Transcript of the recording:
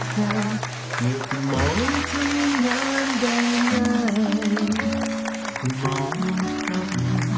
ทำงานให้เค้าชื่น